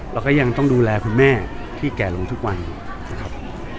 เราก็ยังต้องดูแลคุณแม่ที่แก่ลงทุกวันนะครับ